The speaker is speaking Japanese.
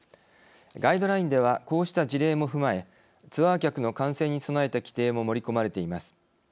ガイドラインではこうした事例も踏まえツアー客の感染に備えた規定も盛り込まれています。